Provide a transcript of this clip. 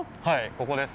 ここです。